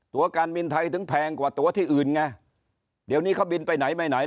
ตัวการบินไทยถึงแพงกว่าตัวที่อื่นไงเดี๋ยวนี้เขาบินไปไหนไม่ไหน